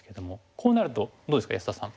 こうなるとどうですか安田さん。